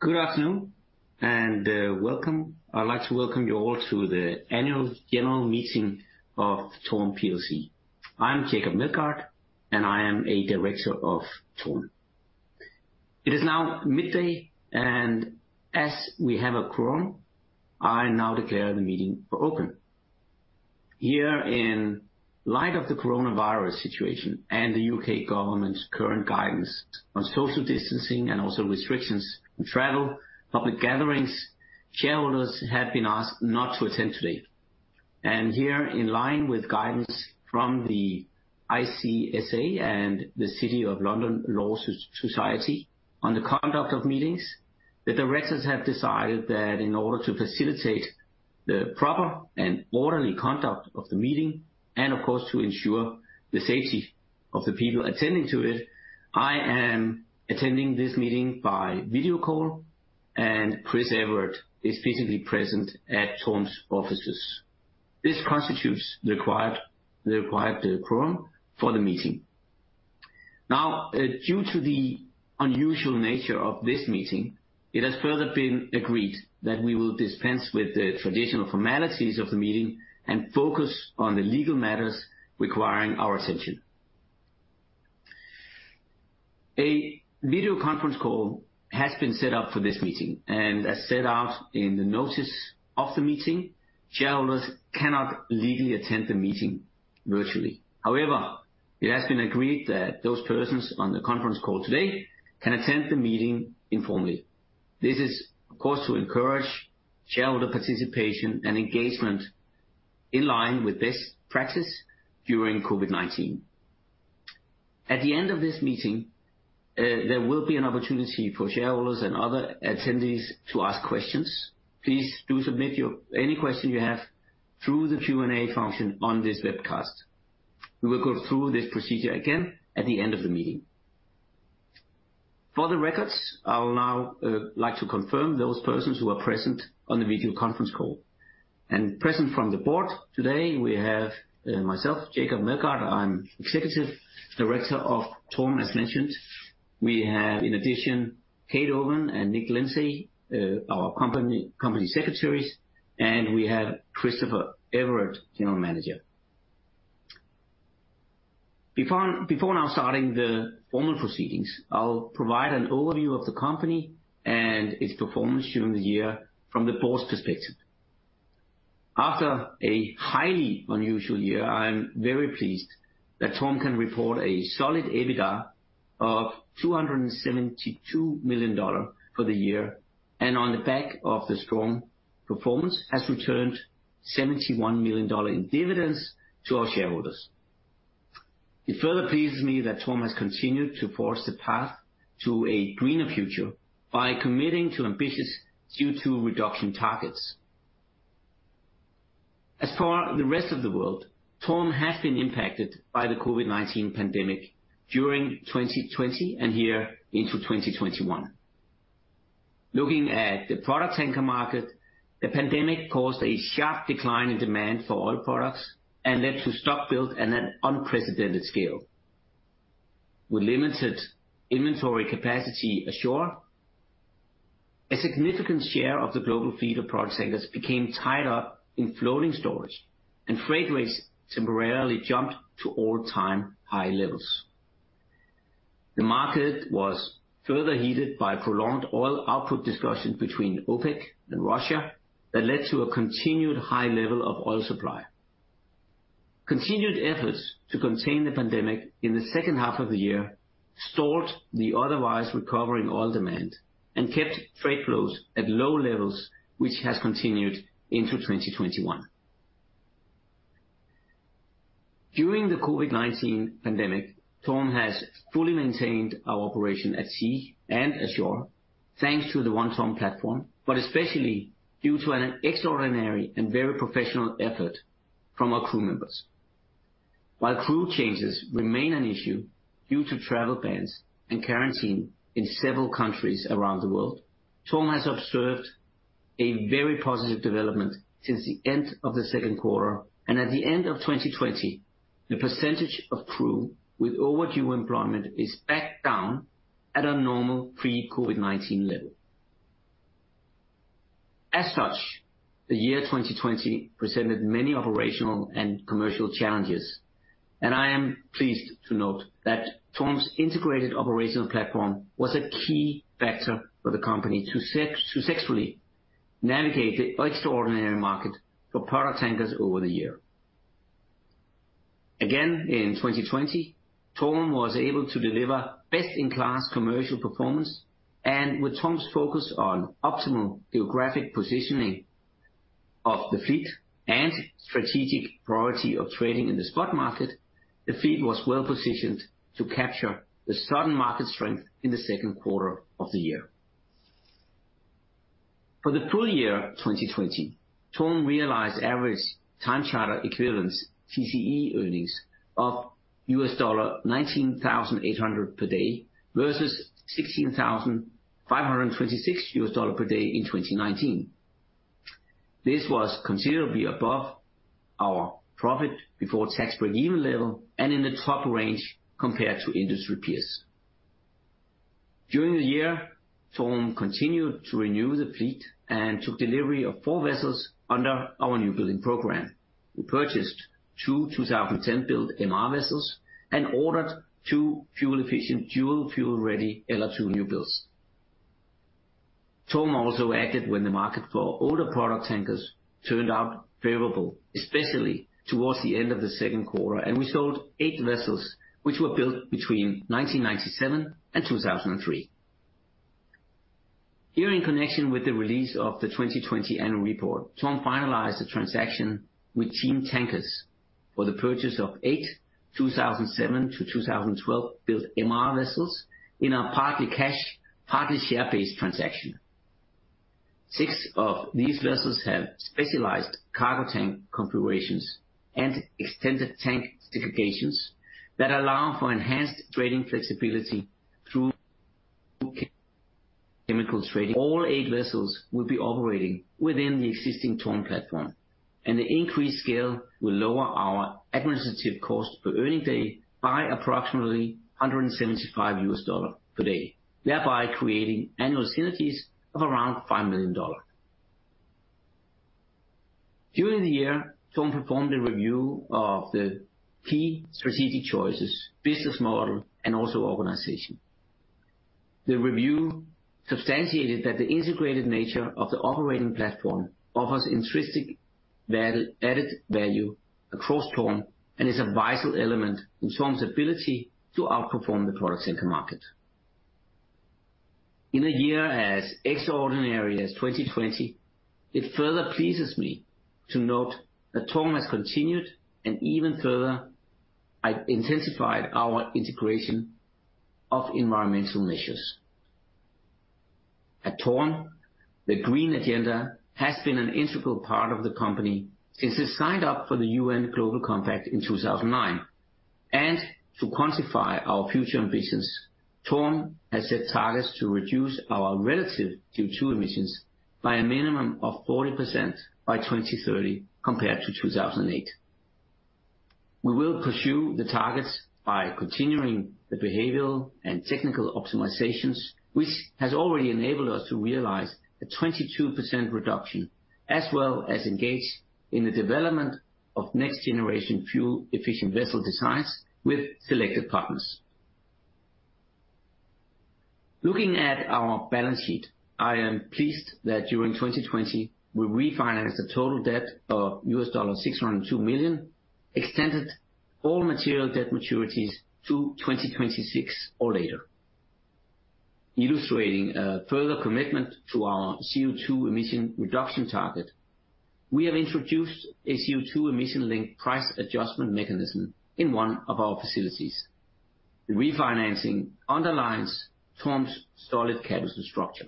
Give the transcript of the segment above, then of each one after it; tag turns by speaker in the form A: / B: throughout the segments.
A: Good afternoon and welcome. I'd like to welcome you all to the annual general meeting of TORM. I'm Jacob Meldgaard, and I am a director of TORM. It is now midday, and as we have a quorum, I now declare the meeting open. Here, in light of the coronavirus situation and the U.K. government's current guidance on social distancing and also restrictions on travel and public gatherings, shareholders have been asked not to attend today. Here, in line with guidance from the ICSA and the City of London Law Society on the conduct of meetings, the directors have decided that in order to facilitate the proper and orderly conduct of the meeting, and of course to ensure the safety of the people attending to it, I am attending this meeting by video call, and Chris Everard is physically present at TORM's offices. This constitutes the required quorum for the meeting. Now, due to the unusual nature of this meeting, it has further been agreed that we will dispense with the traditional formalities of the meeting and focus on the legal matters requiring our attention. A video conference call has been set up for this meeting, and as set out in the notice of the meeting, shareholders cannot legally attend the meeting virtually. However, it has been agreed that those persons on the conference call today can attend the meeting informally. This is, of course, to encourage shareholder participation and engagement in line with best practice during COVID-19. At the end of this meeting, there will be an opportunity for shareholders and other attendees to ask questions. Please do submit any questions you have through the Q&A function on this webcast. We will go through this procedure again at the end of the meeting. For the records, I would now like to confirm those persons who are present on the video conference call. Present from the board today, we have myself, Jacob Meldgaard. I'm Executive Director of TORM, as mentioned. We have, in addition, Kate Owen and Nick Lindsay, our Company Secretaries, and we have Christopher Everard, General Manager. Before now starting the formal proceedings, I'll provide an overview of the company and its performance during the year from the board's perspective. After a highly unusual year, I'm very pleased that TORM can report a solid EBITDA of $272 million for the year, and on the back of the strong performance, has returned $71 million in dividends to our shareholders. It further pleases me that TORM has continued to forge the path to a greener future by committing to ambitious CO2 reduction targets. As for the rest of the world, TORM has been impacted by the COVID-19 pandemic during 2020 and here into 2021. Looking at the product tanker market, the pandemic caused a sharp decline in demand for oil products and led to stock build at an unprecedented scale. With limited inventory capacity ashore, a significant share of the global fleet of product tankers became tied up in floating storage, and freight rates temporarily jumped to all-time high levels. The market was further heated by prolonged oil output discussions between OPEC and Russia that led to a continued high level of oil supply. Continued efforts to contain the pandemic in the second half of the year stalled the otherwise recovering oil demand and kept freight flows at low levels, which has continued into 2021. During the COVID-19 pandemic, TORM has fully maintained our operation at sea and ashore, thanks to the One TORM platform, but especially due to an extraordinary and very professional effort from our crew members. While crew changes remain an issue due to travel bans and quarantine in several countries around the world, TORM has observed a very positive development since the end of the second quarter, and at the end of 2020, the percentage of crew with overdue employment is back down at a normal pre-COVID-19 level. As such, the year 2020 presented many operational and commercial challenges, and I am pleased to note that TORM's integrated operational platform was a key factor for the company to successfully navigate the extraordinary market for product tankers over the year. Again, in 2020, TORM was able to deliver best-in-class commercial performance, and with TORM's focus on optimal geographic positioning of the fleet and strategic priority of trading in the spot market, the fleet was well positioned to capture the sudden market strength in the second quarter of the year. For the full year 2020, TORM realized average time charter equivalent TCE earnings of $19,800 per day versus $16,526 per day in 2019. This was considerably above our profit before tax break-even level and in the top range compared to industry peers. During the year, TORM continued to renew the fleet and took delivery of four vessels under our new building program. We purchased two 2010-built MR vessels and ordered two fuel-efficient dual-fuel-ready LR2 new builds. TORM also acted when the market for older product tankers turned out favorable, especially towards the end of the second quarter, and we sold eight vessels, which were built between 1997 and 2003. Here, in connection with the release of the 2020 annual report, TORM finalized a transaction with Team Tankers for the purchase of eight 2007-2012-built MR vessels in a partly cash, partly share-based transaction. Six of these vessels have specialized cargo tank configurations and extended tank segregations that allow for enhanced trading flexibility through chemical trading. All eight vessels will be operating within the existing TORM platform, and the increased scale will lower our administrative cost per earning day by approximately $175 per day, thereby creating annual synergies of around $5 million. During the year, TORM performed a review of the key strategic choices, business model, and also organization. The review substantiated that the integrated nature of the operating platform offers intrinsic added value across TORM and is a vital element in TORM's ability to outperform the product tanker market. In a year as extraordinary as 2020, it further pleases me to note that TORM has continued and even further intensified our integration of environmental measures. At TORM, the green agenda has been an integral part of the company since it signed up for the UN Global Compact in 2009. To quantify our future ambitions, TORM has set targets to reduce our relative CO2 emissions by a minimum of 40% by 2030 compared to 2008. We will pursue the targets by continuing the behavioral and technical optimizations, which has already enabled us to realize a 22% reduction, as well as engage in the development of next-generation fuel-efficient vessel designs with selected partners. Looking at our balance sheet, I am pleased that during 2020, we refinanced a total debt of $602 million, extended all material debt maturities to 2026 or later. Illustrating a further commitment to our CO2 emission reduction target, we have introduced a CO2 emission-linked price adjustment mechanism in one of our facilities. The refinancing underlines TORM's solid capital structure.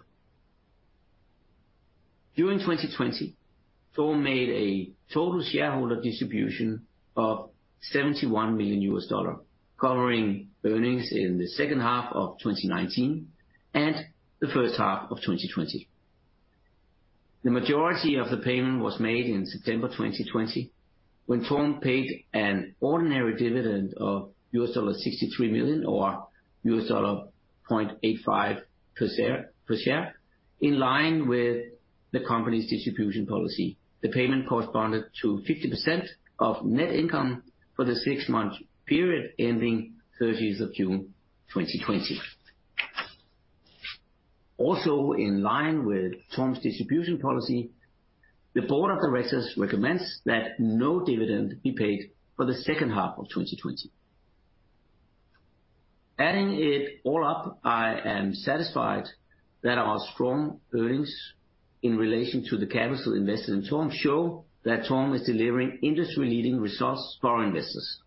A: During 2020, TORM made a total shareholder distribution of $71 million covering earnings in the second half of 2019 and the first half of 2020. The majority of the payment was made in September 2020 when TORM paid an ordinary dividend of $63 million or $0.85 per share, in line with the company's distribution policy. The payment corresponded to 50% of net income for the six-month period ending 30th of June 2020. Also, in line with TORM's distribution policy, the board of directors recommends that no dividend be paid for the second half of 2020. Adding it all up, I am satisfied that our strong earnings in relation to the capital invested in TORM show that TORM is delivering industry-leading results for our investors.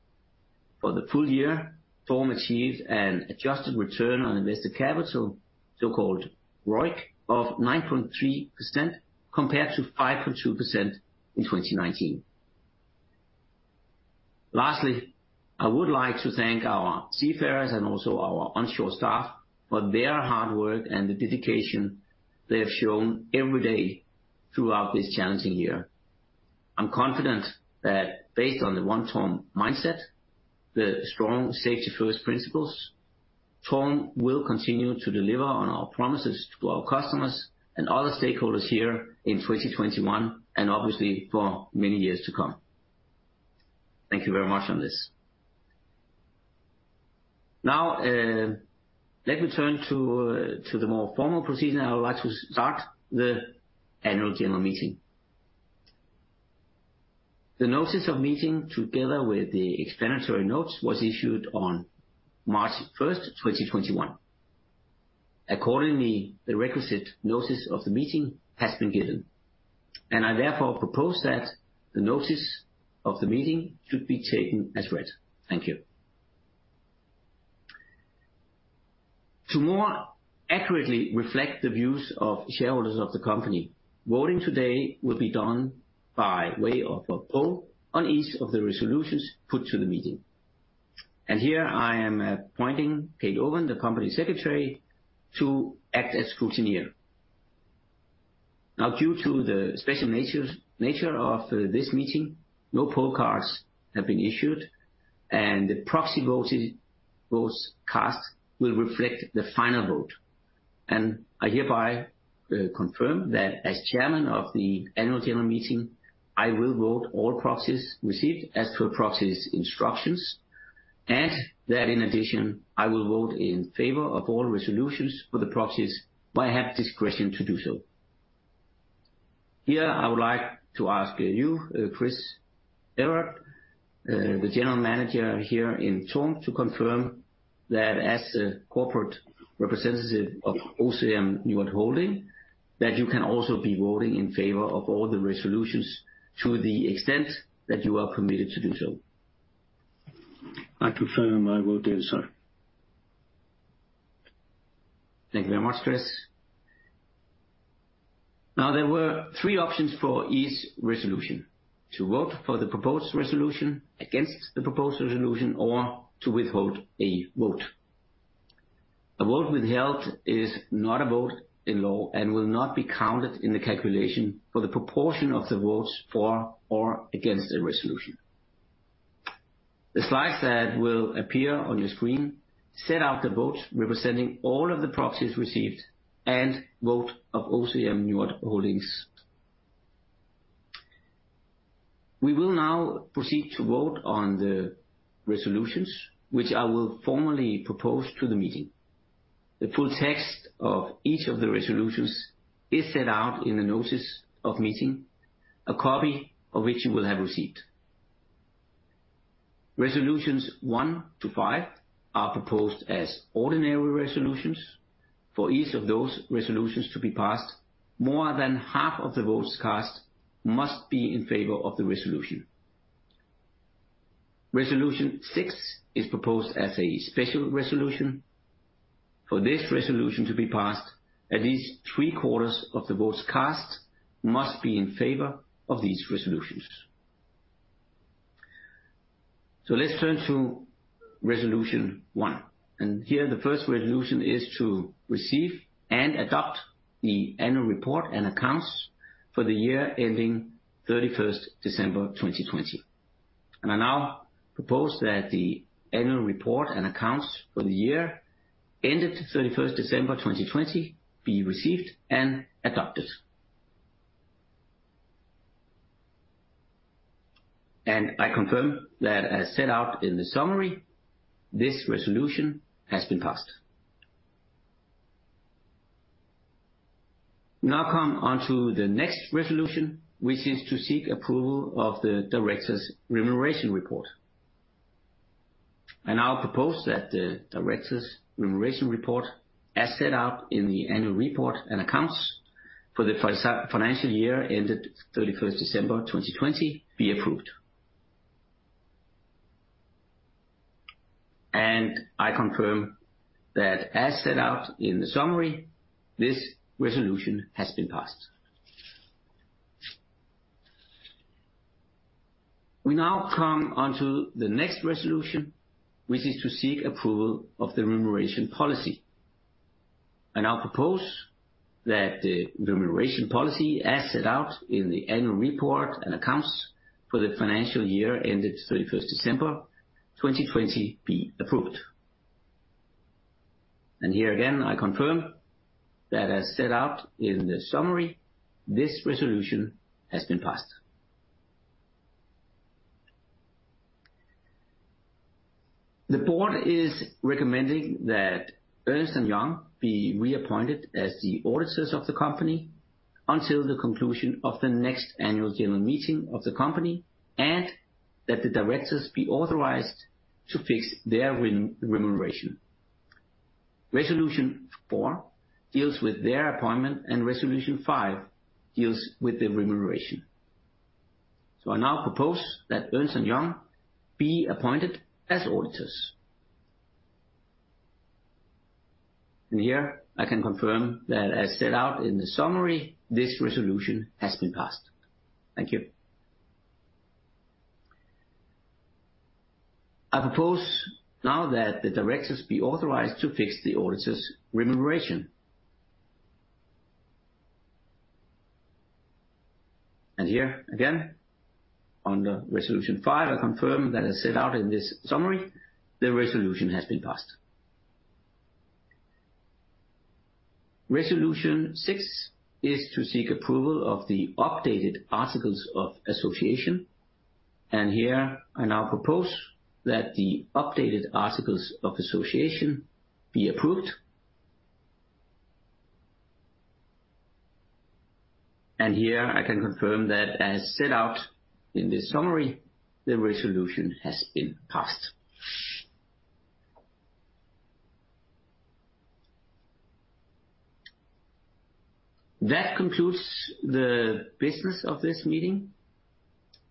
A: For the full year, TORM achieved an adjusted return on invested capital, so-called ROIC, of 9.3% compared to 5.2% in 2019. Lastly, I would like to thank our seafarers and also our onshore staff for their hard work and the dedication they have shown every day throughout this challenging year. I'm confident that based on the One TORM mindset, the strong safety-first principles, TORM will continue to deliver on our promises to our customers and other stakeholders here in 2021 and obviously for many years to come. Thank you very much on this. Now, let me turn to the more formal procedure, and I would like to start the annual general meeting. The notice of meeting, together with the explanatory notes, was issued on March 1st, 2021. Accordingly, the requisite notice of the meeting has been given, and I therefore propose that the notice of the meeting should be taken as read. Thank you. To more accurately reflect the views of shareholders of the company, voting today will be done by way of a poll on each of the resolutions put to the meeting. I am appointing Kate Owen, the company secretary, to act as scrutineer. Due to the special nature of this meeting, no poll cards have been issued, and the proxy votes cast will reflect the final vote. I hereby confirm that as Chairman of the annual general meeting, I will vote all proxies received as per proxies' instructions, and that in addition, I will vote in favor of all resolutions for the proxies I have discretion to do so. Here, I would like to ask you, Chris Everard, the General Manager here in TORM, to confirm that as a corporate representative of OCM Njord Holdings, that you can also be voting in favor of all the resolutions to the extent that you are permitted to do so.
B: I confirm I will do so.
A: Thank you very much, Chris. Now, there were three options for each resolution: to vote for the proposed resolution, against the proposed resolution, or to withhold a vote. A vote withheld is not a vote in law and will not be counted in the calculation for the proportion of the votes for or against a resolution. The slides that will appear on your screen set out the votes representing all of the proxies received and vote of OCM Njord Holdings. We will now proceed to vote on the resolutions, which I will formally propose to the meeting. The full text of each of the resolutions is set out in the notice of meeting, a copy of which you will have received. Resolutions one to five are proposed as ordinary resolutions. For each of those resolutions to be passed, more than half of the votes cast must be in favor of the resolution. Resolution six is proposed as a special resolution. For this resolution to be passed, at least three quarters of the votes cast must be in favor of these resolutions. Let's turn to resolution one. Here, the first resolution is to receive and adopt the annual report and accounts for the year ending 31st December 2020. I now propose that the annual report and accounts for the year ended 31st December 2020 be received and adopted. I confirm that, as set out in the summary, this resolution has been passed. We now come on to the next resolution, which is to seek approval of the directors' remuneration report. I now propose that the directors' remuneration report, as set out in the annual report and accounts for the financial year ended 31st December 2020, be approved. I confirm that, as set out in the summary, this resolution has been passed. We now come on to the next resolution, which is to seek approval of the remuneration policy. I now propose that the remuneration policy, as set out in the annual report and accounts for the financial year ended 31st December 2020, be approved. Here again, I confirm that, as set out in the summary, this resolution has been passed. The board is recommending that Ernst & Young be reappointed as the auditors of the company until the conclusion of the next annual general meeting of the company, and that the directors be authorized to fix their remuneration. Resolution four deals with their appointment, and resolution five deals with the remuneration. I now propose that Ernst & Young be appointed as auditors. Here, I can confirm that, as set out in the summary, this resolution has been passed. Thank you. I propose now that the directors be authorized to fix the auditors' remuneration. Here, again, under resolution five, I confirm that, as set out in this summary, the resolution has been passed. Resolution six is to seek approval of the updated articles of association. I now propose that the updated articles of association be approved. I can confirm that, as set out in this summary, the resolution has been passed. That concludes the business of this meeting.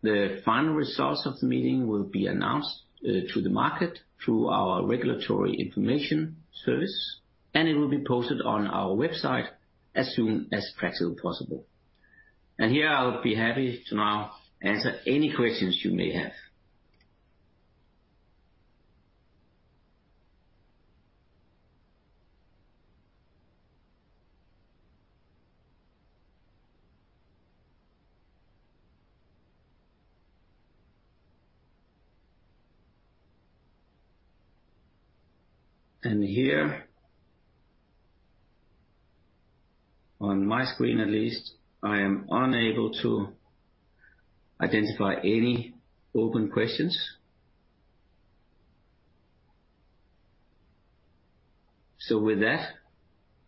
A: The final results of the meeting will be announced to the market through our regulatory information service, and it will be posted on our website as soon as practically possible. I'll be happy to now answer any questions you may have. On my screen at least, I am unable to identify any open questions. With that,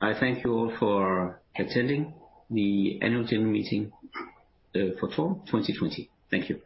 A: I thank you all for attending the annual general meeting for TORM 2020. Thank you.